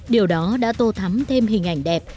điều đó đã tô thắm thêm hình ảnh đẹp